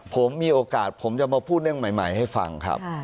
ผมมีโอกาสผมจะมาพูดเรื่องใหม่ให้ฟังครับ